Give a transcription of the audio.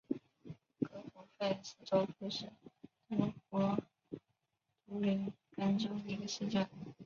格普费尔斯多夫是德国图林根州的一个市镇。